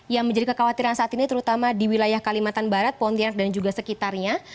yang menjadi kekhawatiran saat ini terutama di wilayah kalimantan barat pontianak dan juga sekitarnya